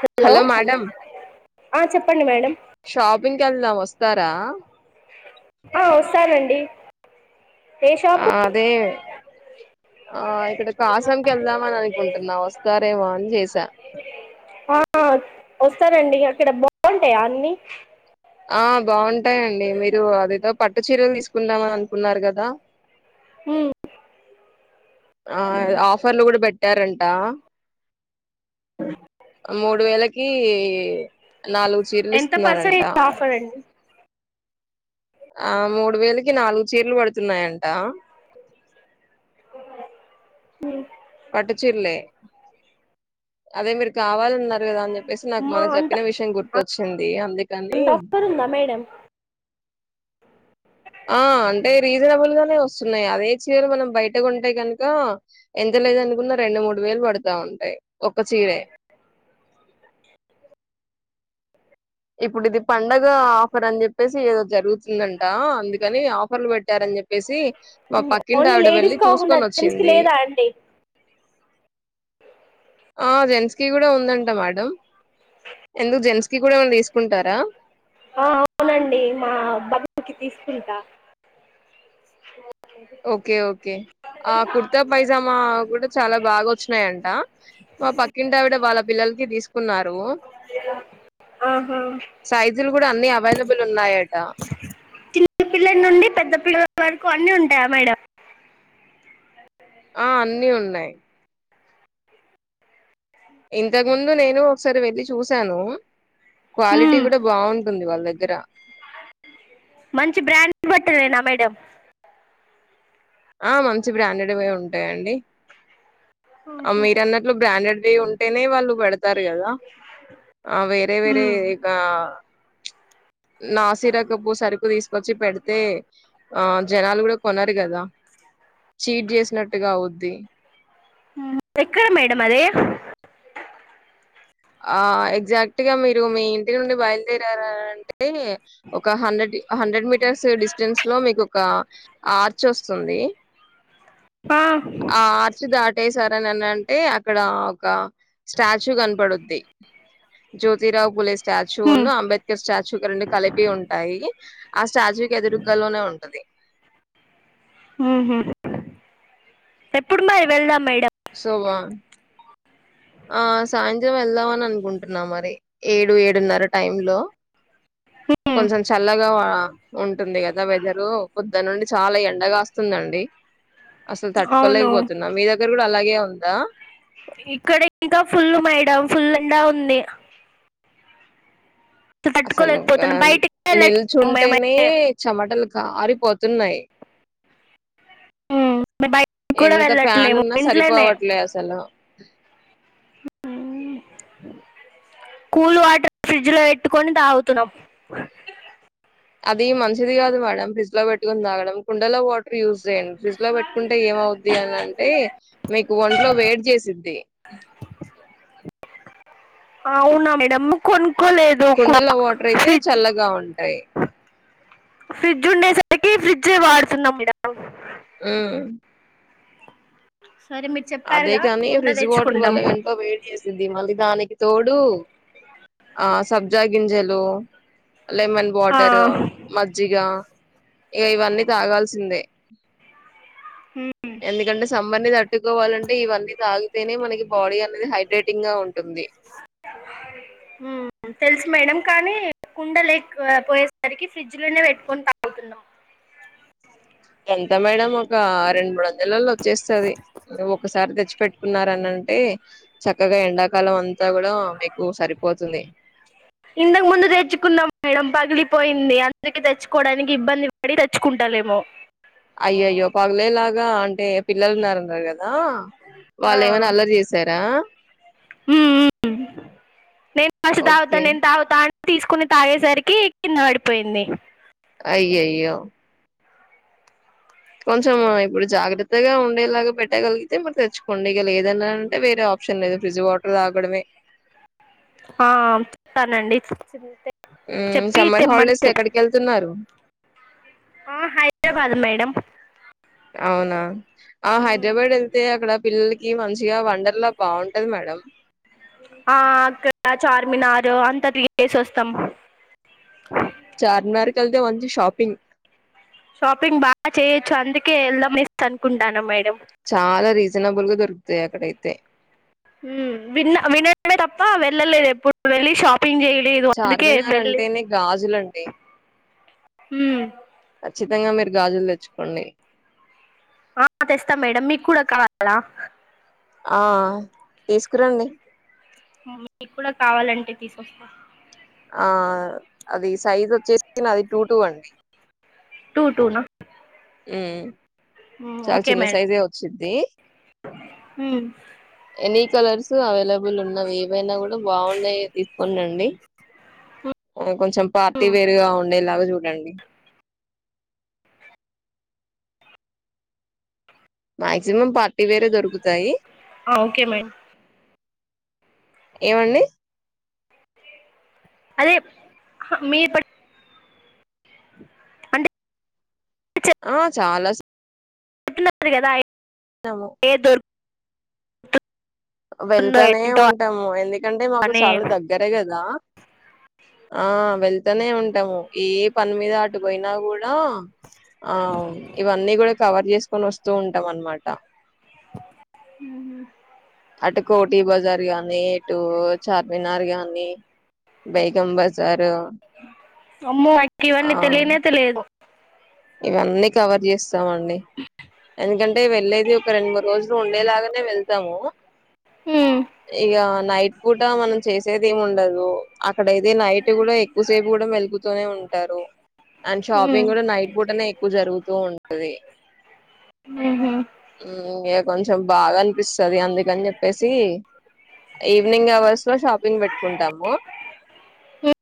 Hello ఆ చెప్పండి madam షాపింగ్కి వెళ్దాం వస్తారా ఆ వస్తానండి ఏ ఆ షాపు అదే ఆ ఇక్కడ కాసంకి వెళ్దామని అనుకుంటున్నా వస్తారేమో అని చేసా. ఆ వస్తానండీ అక్కడ బాగుంటాయా అన్నీ. ఆ బావుంటాయండి మీరు అదేదో పట్టు చీరలు తీసుకుందామని అనుకున్నారు గదా మ్మ్. ఆ ఆఫర్ లో కూడా పెట్ పెట్టారంటా మూడు వేలకి ఈ ఎంత పర్సంటే [inaudible] ఆఫర్ అండి. ఆ మూడు వేలకి నాలుగు చీరలు పడుతున్నాయంటా. హు పట్టు చీరలే అదే మీర్ కావాలన్నారు గదా అని చెప్పసీ, నాకు మా మొన్న అంత చెప్పిన విషయం గుర్తొచ్ చ్చిందీ అందుక్ అంత ఆఫ [inaudible] ఉందా మేడం. ఆ అంటే రీజనబుల్ గానే వస్తున్నాయి. అదే చీరలు మనం బయట కొంటే గనుకా ఎంత లేదనుకున్న రెండు మూడు వేలు పడుతా ఉంటాయి. ఒక్క చీరే ఇప్పుడు ఇది పండగా ఆఫర్ అని చెప్పేసి ఏదో జరుగుతుందంటా. అందుకనీ ఆఫర్లు పెట్టారని చెప్పేసీ. ఓన్లీ లేడీస్ కాకుండా జెంట్స్ కి వచ్చింది లేదా అండి. ఆ జెంట్స్ కి గూడా ఉందంట మేడం. ఎందుకు జెంట్స్ కి కూడా ఏమన్న తీస్ కుంటారా. ఆ అవునండీ, మా బాబుకి తీసుకుంటా. ఓకే ఓకే ఆ కుర్తా పైజామా కూడ చాలా బాగా వచ్చినాయంటా. మా పక్కింటి ఆవిడ వాళ్ళ పిల్లలకి తీసుకున్నారూ. ఆహా సైజులు కూడా అన్నీ అవైలబుల్ ఉన్నాయ చిన్న పిల్లల నుండి పెద్ద పిల్లల్ వరక్ కొన్నీ ఉంటాయా మేడం. ఆ అన్నీ ఉన్నాయి. ఇంతకు ముందు నేనూ ఒకసారి వెళ్ళి చూసానూ. క్వాలిటీ మ్మ్. కూడా బాగుంటుంది వాళ్ దగ్ గ్గరా మంచి బ్రాండ్ బట్టలేనా మేడం. ఆ మంచి బ్రాండెడ్వే ఉంటాయండి. ఆ మీరు అన్నట్లు బ్రాండెడ్ వే ఉంటేనే వాళ్ళు పెడత తారు గదా ఆ వేరే వేరే మ్మ్. ఇగా నాసీరకపు సరుకు తీసు కొచ్చి పెడితే. ఆ జనాలు కూడా కొనరు గదా. చీట్ చేసినట్టుగా అవుద్ది. ఎక్కడ మేడం అది ఆ ఎగ్జాక్ట్ గా మీరు మీ ఇంటి నుండి బయలుదేరారంటే ఒక హండ్రెడ్ హండ్రెడ్ మీటర్స్ డిస్టెన్స్ లో మీకు ఒక ఆర్చ్ వస్తుంది ఆ ఆ ఆర్చ్ దాటేసారననంటే అక్కడ ఒక స్టాచ్యూ కనపడుద్ది. జ్యోతిరావు పులే మ్మ్. స్టాచ్యూను అంబేద్కర్ స్టాచ్యూ క రెండు కలిపి ఉంటాయి ఆ స్టాచ్యూ కి ఎదురుగ్గల్లు లోనే ఉంటది. హ్మ్మ్ ఎప్పుడు మరి వెళ్దాం మేడ్ సోవా ఆ సాయంత్రం వెళ్దామని అనుకుంటున్నా మరి. ఏడు ఏడున్నర టైమ్ లో, మ్మ్. కొంచెం చల్లగా ఉంటుంది గదా వెదరూ పొద్దుడ్ నుండి చాలా ఎండగాస్తుందండి. అసల్ అవును తట్టుకోలేకపోతున్నా మీ దగ్ గ్గర గూడా అలాగే ఉందా. ఇక్కడ ఇంకా ఫుల్లు మేడం ఫుల్ల్ల్ ఎండా ఉంది. అసలు ఆ తట్టుకోలేకపోతున్నాం బయటికి వెళ్ళట్లేము నిల్చుంటేనే మేమైతే చెమటలు కారిపోతున్నాయి మ్మ్. మేము బయటికి కూడా ఎంత ఫ్యాన్ వెళ్ళట్లేము ఉన్నా ఇంట్లోనే సరిపోవట్లే అసలు కూల్ వాటర్ ఫ్రిడ్జ్ లో పెట్టుకొని తాగుతున్నాం అది మంచిది కాదు మేడం ఫ్రిడ్జ్ లో పెట్టుకుని తాగడం కుండలో వాటర్ యూజ్ చేయండి ఫ్రిజ్ లో పెట్టుకుంటే ఏమవుద్ది అని అంటే మీకు ఒంట్లో వేడ్ చేసిద్ది. అవునా మేడమ్ కొన్ కుండల వాటర్ అయితే చల్లగా ఉంటాయి ఫ్రిడ్జ్ ఉండేసరికి ఫ్రిడ్జ్ ఏ వాడుతున్నాం మేడం మ్మ్ సరే మీరు అదే చెప్పారుగా కాని కుండ ఫ్రిడ్జ్ వాటర్ తెచ్చుకుంటాం వల్ల ఒంట్లో వేడి చేసిద్ది మళ్ళీ దానికి తోడు ఆ సబ్జా గింజలు లెమన్ ఆ, వాటరు మజ్జిగ ఇక ఇవన్నీ తాగాల్సిందే మ్మ్. ఎందుకంటే సంబర్నీ తట్టు కోవాలంటే ఇవన్నీ తాగితేనే మనకి బాడీ అనేది హైడ్రేటింగ్ గా ఉంన్ హ్మ్మ్ తెలుసు మేడం కానీ కుండ లేకపోయేసరికి ఫ్రిడ్జ్లోనే పెట్టుకొని తాగుతున్నాం ఎంత మేడం ఒక రెండు మూడు వందలలో వచ్చేస్తది ఒకసారి తెచ్చిపెట్టుకున్నారని అంటే అంటే చక్కగా ఎండాకాలం అన్ ఇంతకు ముందు తెచ్చుకున్నాం మేడం పగిలిపోయింది అ అందుకే తెచ్చుకోవడానికి ఇబ్బంది పడి తెచ్చుకుంటలేము అయ్యోయ్యో పగలేలాగా అంటే పిల్లలు ఉన్నారన్నారు కదా ఆ వాళ్ళు ఏమైనా అల్లరి చేసారా హ్మ్మ్ నేను జ్యూసు ఓకే తగలేన్ తాగుతా తీసుకుని తాగేసరికి కింద పడిపోయింది అయ్యోయో కొంచం ఇప్పుడు జాగ్రత్తగా ఉండేలాగ పెట్టగలిగితే మరి తెచ్చుకోండి ఇక లేదని అంటే వేరే ఆప్షన్ లేదు ఫ్రిడ్జ్ వాటర్ తాగడమే ఆ వేస్తానండి సర్ మ్మ్ సమ్మర్ హాలిడేస్ ఎక్కడికి వెళ్తున్నారు ఆ, హై హైదరాబాద్ మేడం అవునా ఆ మ్మ్. హైదరాబాద్ వెళ్తే అక్కడ పిల్లలకి కి మంచిగా వండర్లా బాగుంటది మేడం ఆ అక్కడ చార్మినార్ అంతా తిరగేసి ఒస్తాం చార్మినార్ ఎల్తే మంచి షాపింగ్ షాపింగ్ బాగా చేయొచ్చు అందుకే ఎళ్ద మిస్ అనుకుంటాన్న మేడం చాల రీజనబుల్ గా దొరుకుతయి అక్కడయితే విన్న వినడమే తప్ప వెళ్ళలేదు ఎప్పుడు వెళ్ళి షాప్ పింజెలి ఇది అందుకే చార్మినార్ వెళ్లి అంటేనే గాజులండి ఖచ్చితంగ మీరు గాజులు తెచ్చుకోండి ఆ తెస్తాం మేడం మీకు కూడ కావాల ఆ తీసుకురండి మీకు కూడ కావాలంటె తీస్ వస్త ఆ అది సైజ్ వచ్చేసి నాది టూ టూ అండి టూ టూ నా ఎ చాల చిన్న సైజే వచ్చింది ది హుమ్ కు అవైలబ లు ఉన్నా ఏవైనా కూడ బాగున్నాయి ఉండండి అ ఎ కొంచెం పార్టీ మ్మ్ వేర్ గా ఉండేలాగ చూ తాండి మాక్సిమం పార్టీ వేరే దొరుకుతయి ఓకే మయ్ ఏమండి అదే మీరు పట్ అంటె అ చాల టున్నారు కదా ము ఏ దొరు వెళ్తానే ఏంటో ఉంటాము ఎందుకంటే మాకు అని చాల దగ్గరే కదా ఆ వెళ్తనే ఉంటాము ఏ పని మీద అటుపోయినా కూడా ఆ ఇవన్నీ కూడ కవర్ చేసి తీసుకొని వస్తూటాం అనమాట ఉమ్ అటు కోటి బజార్ గాని ఇటు చార్మినార్ కగాని బేగం బజారు అమ్మో అక్ ఆ ఇవన్నీ తెలియనె తే లేదు ఇవన్నీ కవర్ చేస్ ఇస్తామండి ఎందుకం వెళ్లేది ఒక రెండు మూడు రోజులు ఉండేలాగానే వెళ్త సము మ్మ్. ఇగ నైట్ కూడా మనం చేసేది ఉండదు అక్కడయితే ఇది నైట్ కూడా ఎక్కువసేపు కూడా మెలుగుతూనే ఉంటారు అండ్ మ్మ్ షాపింగ్ కూడా నైట్ పూటనే జరుగుంది ఉంటది మ్మ్ హ్మ్ కొంచెం బాగా అనిపిస్తుది అందుకని చెప్పేసి ఈవినింగ్ అవర్స్ లో షాపింగ్ పెట్టుకుంటాము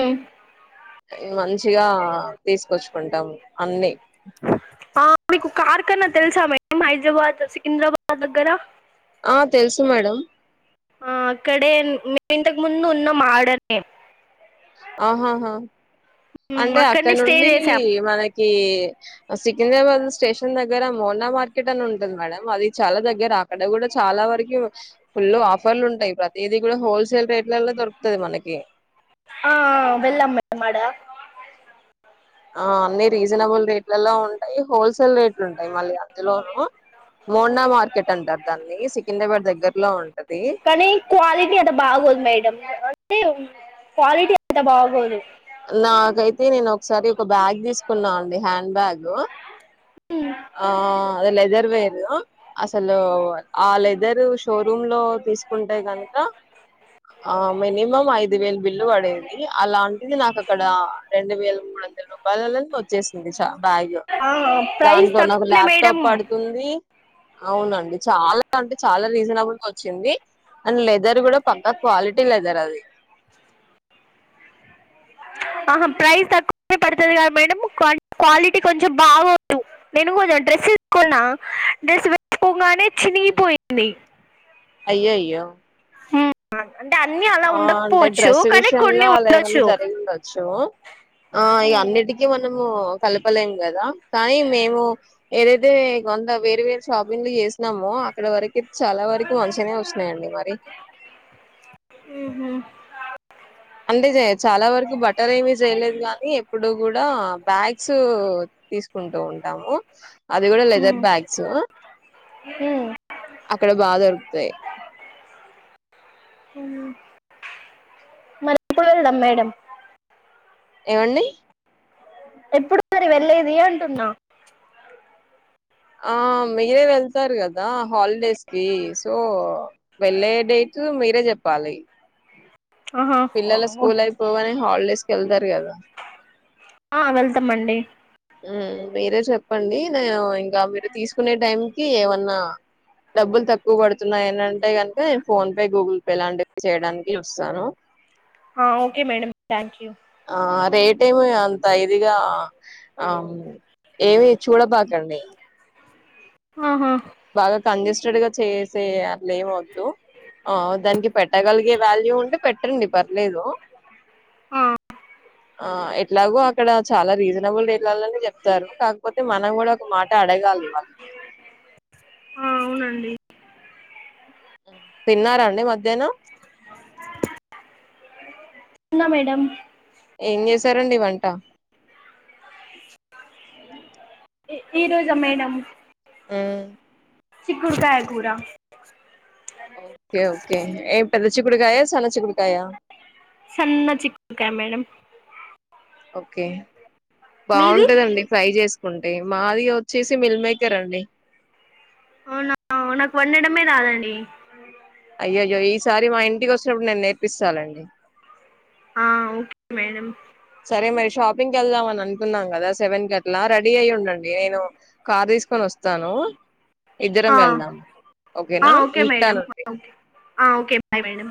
మ్మ్. మంచి మంచిగా తీసుకొచ్చుకుంటాం అన్ని ఆ మీకు కార్ కన్నా తెలుసా మేం హైదరాబాద్ సికింద్రాబాద్ దగ్గర ఆ తెలుసు మేడం ఆ అక్కడే ఇంతకు ముందు ఉన్న మడనే ఆహాహా అంటే అక్కడ అక్కడనే స్టే నుండి చేసాం మనకి సికింద్రాబాద్ స్టేషన్ దగ్గర మోడా మార్కెట్ అని ఉంటుది మేడం అది చాలా దగ్గర అక్కడ కూడా చాలా వరకు ఫుల్ ఆఫర్లు ఉంటాయి ప్రతిదీ కూడా హోల్సేల్ రేట్లలో దొరుకుతది మనకి ఆ వెళ్లమ్మ మడ ఆ అన్ని రీజనబుల్ రేట్లలో ఉంటాయి హోల్సేల్ రేట్ లు ఉంటాయి మళ్ళీ అందులోను మోడా మార్కెట్ అంటారు దాన్ని సికింద్రాబాద్ దగ్గర్లో ఉంటది కానీ అే క్వాలిటీ అంత బాగోదు నాకైతే నేను ఒకసారి ఒక బ్యాగ్ తీసుకున్నాను అండి హ్యాండ్ బ్యాగ్ ఆ అద ఎదారువే అసలు ఆ లేదు ఇద్దరు షోరూమ్ లో తీసుకుంటే కనుక ఆ మినిమం ఐదు వేలు విలువ పడేది అలాంటిది నాకు ఇక్కడ రెండు వేల మూడుందలో వాళ్ళల వచ్చేసింది చ భాయ్ గా ఆ ప్రైస్ దాంట్లో నాకు తక్కువనే మేడం ల్యాప్టాప్ పడుతుంది అవునండి చాలా అంటే చాలా రీజనబుల్గా వచ్చింది అండ్ లెదర్ కూడా పక్క క్వాలిటీ లెదర్ అది ఆహ ప్రైస్ తక్కువే పడుతది కదా మేడం క్వాలిటీ కొంచెం బాగోదు నేను కొంచెం డ్రెస్ వేసుకున్నా డ్రెస్ వేసుకోగానే చినిగిపోయింది అయ్యోయ్యో అంటే అన్ని అలా ఆ అంటే ఉండకపోవచ్చు డ్రెస్ కానీ విషయంలో కొన్ని అలా ఏమైన్నా ఉండొచ్చు జరిగి ఉండచ్చు ఆ ఇ అన్నిటికీ మనము కలపలేం కదా కానీ మేము ఏదైతే కొంత వేరు వేరు షాపింగ్లు చేసినామో అక్కడ వరకు చాలా వరకు మంచిగానే వస్తున్నాయండి మరి ఉహు అంతేజెయచ్ చాలా వరకు బట్టర్ ఏమీ చేయలేదు గానీ ఇప్పుడు కూడా బ్యాగ్స్ తీసుకుంటూ ఉంటాము అది కూడా లెదర్ మ్మ్ బ్యాగ్స్ హ్మ్ అక్కడ బాగా దొరుకుతయి మరెప్పుడెళ్దం మేడం ఏవండి ఎప్పుడు మరి వెళ్లేది అంటున్నా ఆ మీరే వెళ్తారు గ దా హాలిడేస్కీ సో వెళ్ళే డేట్ మీరే చెప్పాలి ఆహా పిల్లల స్కూల్ అయిపోగనె హాలిడేస్కెళ్తారు కదా ఆ వెళ్తాం అండి హుం మీరే చెప్పండి నేను ఇంకా మీరు తీసుకునే టైం కి ఏమన్నా డబ్బులు తక్కువ పడుతున్నాయనంటే ఫోన్ పే గూగుల్ పే లాంటివి చేయడానికి చూస్తాను హా ఓకే మేడం థ్యాంక్ యూ ఏమీ అంత ఇదిగా ఆ ఏమి చూడబాకండి ఆహా బాగా కంజెస్టెడ్ గా చేస్ చే అట్లేమొద్దు ఆ దానికి పెట్ ట్టగలిగే వాల్యూ ఉంటే పెట్టండి పర్లేదు ఆ ఆ ఎట్లాగో అక్కడ చాలా రీజనబుల్ రేట్ ట్లల్లనే చెప్తారు కాకపోతే మనం కూడా ఒక మాట అడగాలి వాళ్ళని ఆ అవునండి తిన్నారా అండి మధ్యాహ్నం న్నా మేడం ఏం చేసారండి వంట ఈరోజా మేడం హ్మ్. చిక్కుడుకాయ కూరా ఓకే ఓకే ఏం తెల్లుస్ చిక్కుడుగాయ, సన్నచిక్కుడుకాయ సన్నచిక్కుడుకాయ మేడం. ఓకే మీది బాగుంటదండి ఫ్రై చేస్ కుంటే మాది ఒచ్చేసి మిల్ మేకర్ అండి అవునా నాకు వండడమే రాదండి అయ్యయో ఈసారి మా ఇంటికొచ్చినప్పుడు నేను నేర్పిస్తాలెండి ఆ ఓకే మేడం రే మరి షపింగ్కి వెళ్దా అని అనుకున్నాం కదా సెవన్ కట్లా రెడీ అయి ఉం ండి నేను కర్ తీస్ కొనోస్తాను. ఇద్దరం ఆ వెళ్దాం ఆ ఓకేనా ఓకే మేడం ఇకాద్నుండి ఓకే ఆ ఓకే బాయ్ మేడం